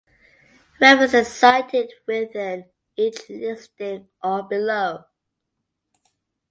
References cited within each listing or below.